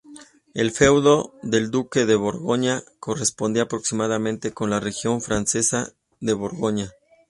El feudo del duque de Borgoña correspondía aproximadamente con la región francesa de Borgoña.